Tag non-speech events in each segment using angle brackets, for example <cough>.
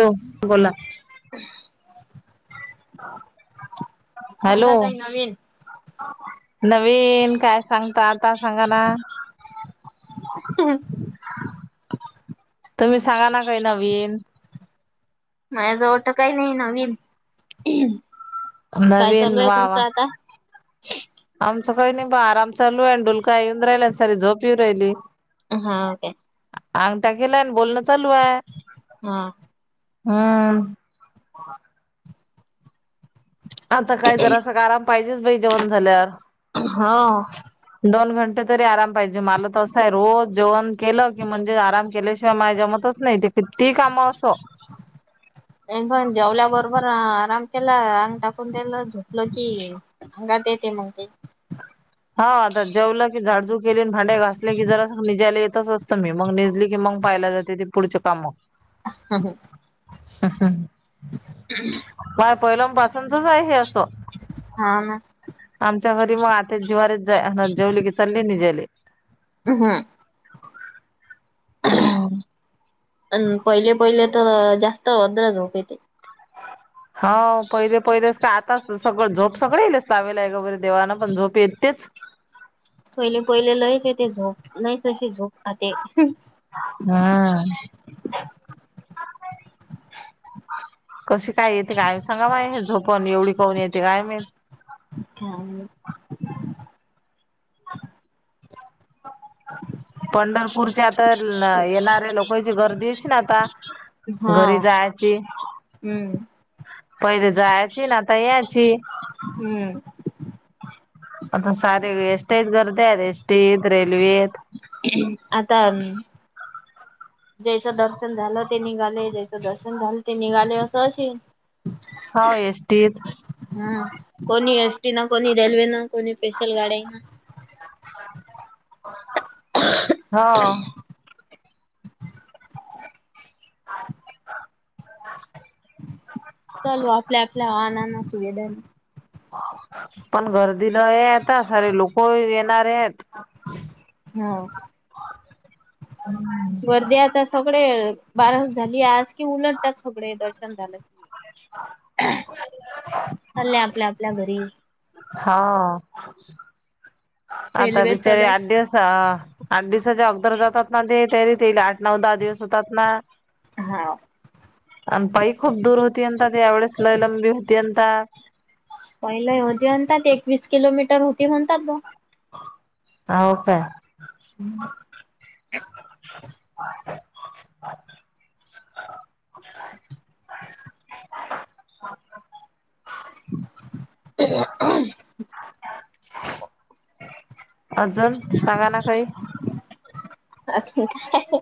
Hello बोला. <unintelligible> Hello. सांगा काही नवीन नवीन काय सांगता, आता सांगा ना. <inaudible> तुम्ही सांगा ना काही नवीन. माया जवळ त काही नवीन, काय नवीन चालू आहे वा तुमच वा आता? आमचं काही नाही बा आराम चालू आय, आणि डुलका येऊन राहिलान सारी झोपी येऊ राहिली. हाव काय? अंगठा केलाय आणि बोलणं चालू आय. हां. हां. आता काय जरा सका आराम पाहिजेच बाई जेवण झाल्यावर. हो दोन घंटे तरी आराम पाहिजे, मला तसं आहे, रोज जेवण केलं की म्हणजे आराम केल्याशिवाय माय जमतच नाही ते किती कामं असो मी पण जेवल्या बरोबर आराम केला, अंग टाकून देलं झोपलो की अंगात येते मंग ते हा आता जेवलं की झाडजूड केले अन भांडे् घासले की जरा सक निजायला येतच त मी मग निजली की मंग पायल जाते ते पुढचे काम <inaudible> <inaudible> माय पहिल्या पासूनचच आय हे असं. हाव ना. ते जिवार जाय जेवली की चाली निजायले. हं. हम्म. अ न पहिले पहिले त जास्त अद्र झोप येते. हाव पहिले पहिलेस का य आताच सगळं झोप सगळे येलेस लावेला आहे देवानां पण झोप येतेच. पहिले पहिले लयेच येते झोप नाही चशी झोप आते. हम्म कशी काय येते काय सांगा मा हे झोपण एवढी कौन येते काय माईत. काय माईत. पंढरपूरच्या तर येणाऱ्या लोकांची गर्दी येशीन आता. हा घरी जायची, हम्म पहिले जायची न आ आता याची. हम्म. आता सारी एस टया गर्द्या आयेत एस टी त रेल्वेत. आता अन् ज्याचं दर्शन झालं ते निघाले, ज्याचं दर्शन झालं ते निघाले, असं अशीन. हाव एस टी त. ह कोणी एस टी न, कोणी रेल्वे न, कोणी स्पेशल गाड्या न. हव. <inaudible> चलू आपल्या आपल्या वाहनांना सुविधांनी पण गर्दी लये आता सारे लोक येणार येत. हो. <inaudible> गर्दी आता सगळे <unintelligible> झाली आज कि उलटतात सगळे दर्शन झालं की. चालले आपल्या आपल्या घरी. हां, आता रेल्वे बिचारी तलय आठ दिवस. आठ दिवसाच्या अगोदर जातात ना ते, तयारी तेयले आठ नऊ दहा दिवस होतात ना. हांव. अ पाई खूप दूर होतीयंत ते, एवढळेच लयलंबी होतीयता. पहिले होते म्हणतात, एकवीस किलोमीटर होती म्हणतात बा. हो काय. हं. <inaudible> अजून सांगा ना काही. अजून काय.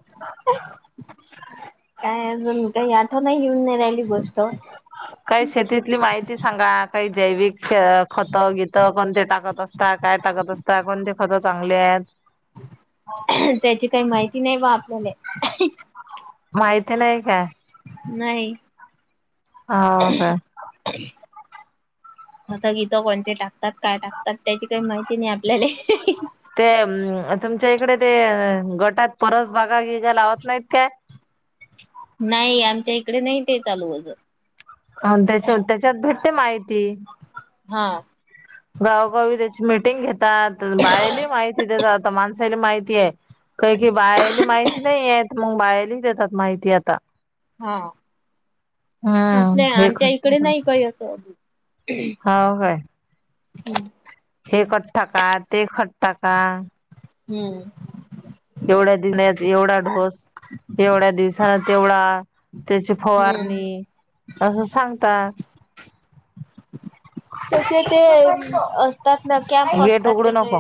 काय अजून काय, आठवण येऊन नाही राहिली गोष्ट. काही शेतीतली माहिती सांगा. काही जैविक खत गीत कोणते टाकत असता, काय टाकत असता कोणते खतं चांगले आहेत. त्यांची काही माहिती नाही बा आपल्या ले. माहिती नाही का. नाही. हांव का. <inaudible> खत गीतं कोणते टाकतात, काय टाकतात त्यांची काही माहिती नाही आपल्याले. ते अ तुमच्या इकडे ते, गटात परस बागागिगा लावत नाहीत काय. नाही आमच्या इकडे नाही ते चालू अगं. <unintelligible> त्याच्यात भेटते माहिती. हां. गावोगावी त्यांची मिटिंग घेतात. बायले माहिती देतात आता माणस माणसाले माहिती आहे. कै कै बायला माहिती नाहीये, मग बायला ही देतात माहिती आता. हां, आपल्या हम्म हे आमच्या इकडे नाही काही असं. हांव काय, हे खत टाका ते खत टाका. हम्म. एवढ्या दिन एवढा ढोस, एवढ्या दिवसान तेवढा. त्यांची हम्म फवारणी असं सांगता. त्यांचे ते असतात ना, कॅम्प गेट असतात उघडू त्यांचे. नको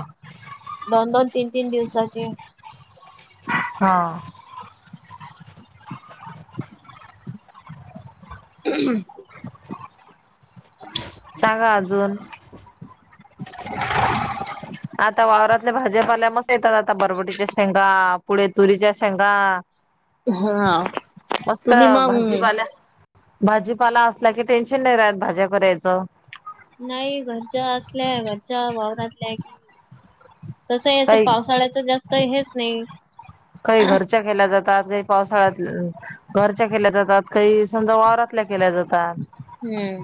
दोन दोन, तीन तीन दिवसाचे. हां. <inaudible> <inaudible> सांगा अजून. आता वावरातल्या भाज्यापाल्या मस येतात. आता बरवटीच्या शेंगा पुढ तुरीच्या शेंगा. हा मस्त तुम्ही मग भाजीपाला. भाजीपाला असला की, टेन्शन नाही राहत भाज्या करायचं. नाही घरच्या असल्या, घरच्या वावरातल्या की. तसय असं काही पावसाळ्याच जास्तं हेच नाही. केला जातात <unintelligible> पावसाळ्यात घरच्या केल्या जातात, काही समजा वावरातल्या जातात. हम्म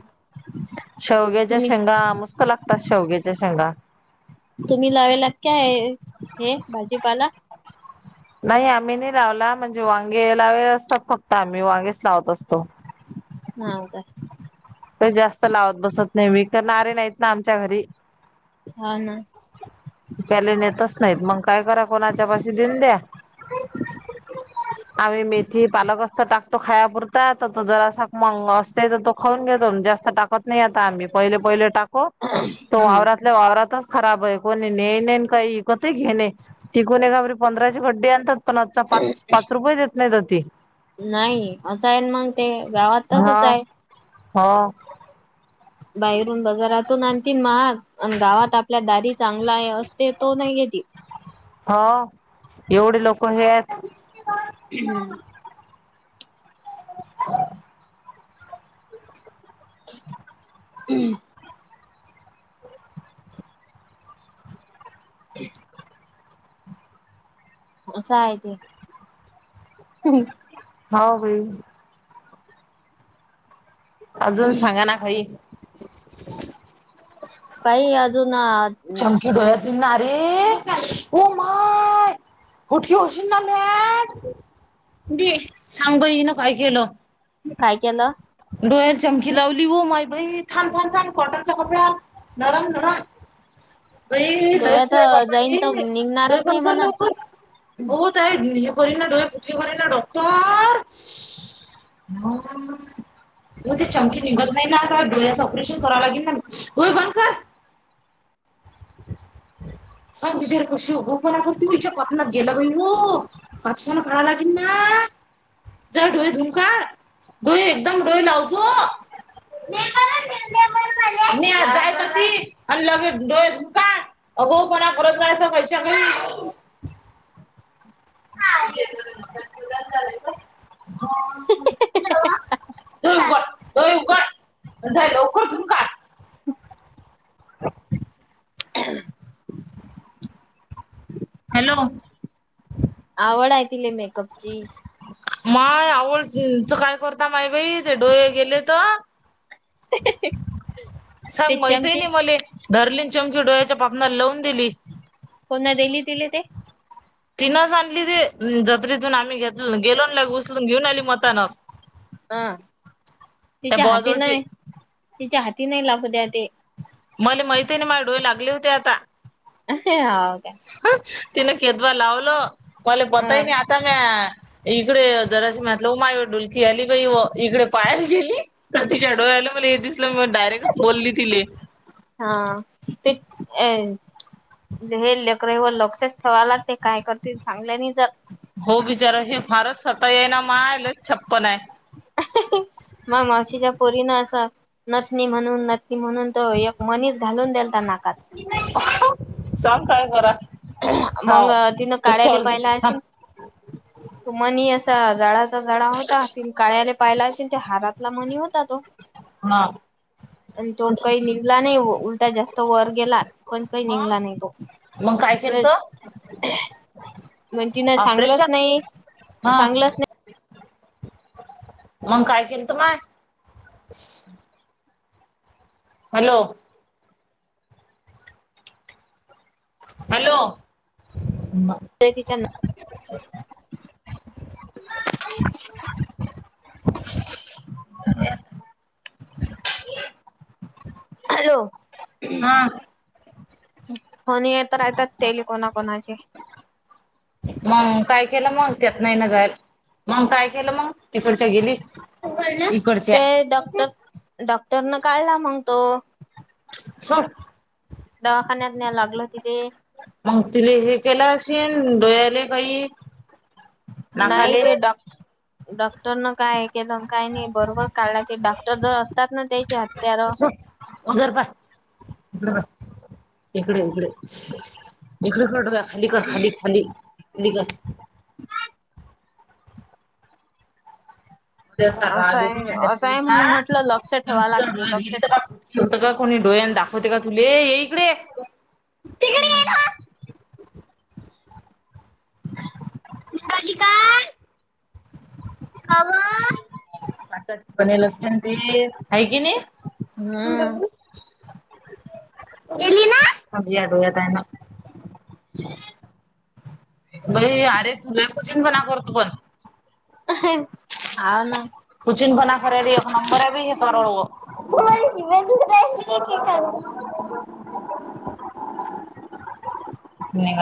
शेवग्याच्या तुम्ही शेंगा मस्त लागतात, शेवग्याच्या शेंगा. तुम्ही लाविलात कायय, हे भाजीपाला नाही आम्ही नाही लावला म्हणजे वांगे लावले असतात फक्त आम्ही वांगेच लावत असतो. हा काय? काही जास्त लावत बसत ना बई विकणारे नाहीत ना आमच्या घरी हा ना त्यानी नेतच नाहीत मग काय कराव कोणाच्या पाशी डिल द्या. <inaudible> आम्ही मेथी पालक असत टाकतो खायापुरता तर तो जरासा मंग असते तर तो खाऊन घेतो. जास्त टाकत नाही आता आम्ही पहिले.. पहिले टाको, तो हम्म वावरात वावरातच खराब आहे कोणी ने नेयन काही इकत घेणे नई. तिकून एकाबरी पंधराशे गड्डी आणतात पण आजता पाच.. पाच रुपये देत नाहीत ते नाही असं आहे म्हगते गावात हा तसच आहे. हो बाहेरून बाजारातून आणतील महाग अन.. गावात आपल्या दारी चांगला आहे असते तो नाही घेत ती. आ.. ओ.. एवढे लोक हे आहेत. <inaudible> <inaudible> <inaudible> <inaudible> <inaudible> आस हाय ती ह्म्म्म हा.. ओ.. बई अजून सांगा ना काही ताई अजू.. ना चमकी डोळ्यात जाईल ना रे.. ओ.. माय उटी होशील ना म्या.. दे.. सांग बाई हिन काय केलं? काय केलं. डोळ्यात चमकी लावली हो माई बाई थांब.. थांब.. थांब.. कॉटनचा कपडा आन. नरम ना बई डोळ्यात जाईन तर <inaudible> डोळे निघणारच बंद नाही कर, म्हणा लवकर ओ ताई <unintelligible> डोळे फुटली बर का डॉक्टर.. स्.. <inaudible> मग ते चमकी निघत नाही ना आता डोळ्याचं ऑपरेशन करावं लागेल ना हो डोळे बंद कर. <inaudible> <unintelligible> <inaudible> आला की ना जा डोळे धुन काढ, डोळे एकदम डोळे लावतो. <unintelligible> लगेच डोळे धु <unintelligible> आगाऊपणा करत जायचं <inaudible> <inaudible> डोळे उघड, जा लवकर धून काढ. <inaudible> <inaudible> हॅलो! आवड आहे तिले मेकअपची. माय आवडच काय करता माय बाई ते डोळे गेले तर ते सांग बाई चमचे तेने मले. धरलीन चमकी डोळ्याच्या पापनाला लवून दिली. कोणा दिले तिला ते? तिनच आणली ते जत्रेतून आम्ही घेतलो गेलो आन लय उसलून घेऊन आली मतानास हा त्या तिच्या हाती बॉजवळची नाही तिच्या हाती नाही लागू द्या ते. मले माहिती ही नाही माझे डोळे लागले होते आता. अरे हाव काय. तिने केदवा लावलं मला अ बताय नाही आता इकडे जराशी म्हटलं व माय व डुलकी आली. बाई व इकडे पाहायला गेली तर तिच्या डोळेयाला मला हे दिसलं म डायरेक्टच बोलली तिले हा ते प ए लेनहे लेकरईवर लक्षच ठेवायला लागते ते काय करतील सांगल्या नाही जात. हो बीचारा हे फारच सताय ने माय लय छप्पन आहे. माय मावशीच्या पोरींना असा नथनी म्हणून नथनी म्हणून तो एक मनीस घालून देलता नाकात. सांग काय करा हाव मंगं तिनं तो काळ्याले स्टॉल घे पाहिला थांब असीन तो मनी असा जाडाचा जाडा होता तिनं काळ्याले पाहियला अशीन त्या हारातला मणी होता तो हा आणि तो काही नी ला नाही उलटा जास तो वर गेलात पण काही हा निघला नाही तो. मग काय केलंत म्हण तिला सागलंस ऑपरेशन नाही सागलंस नाही. मंग काय केलतं माय? हॅलो. हॅलो म ते तिच्या न. <unintelligible> <unintelligible> हॅलो. हा. फोन ही येत राहतात तेली कोणा- कोणाचे. मंग काय केला मंग त्यात नाही ना जायल मंग काय केलं मंग? तिकडच्या गेली इकडच्या डॉक्टरने काढला मंग तो. सोड दवाखान्यात न्याय लागलं तिथे मग तिले हे केलं अशीन डोळ्याले काही? नाही नाकाले ते डॉक् डॉक्टर ना काय केलं काय नाही बरोबर काढला डॉक्टर जवळ असतात ना त्याची हत्यार. <unintelligible> इकडे इकडे इकडे करडा खाली कर खाली खाली खाली कर. <unintelligible> असं आहे असं आहे म्हणून म्हटलं लक्ष ठेवा लागते लक्ष होतं का कोणी डोळ्यानं दाखवते का तुले ये इकडे. तिकडे ये हम्म. ना <unintelligible> आताची पनेल असते ना ते आहे की नाही. हां. <unintelligible> <inaudible> <unintelligible> आ ना. <unintelligible> <unintelligible> <inaudible> <inaudible>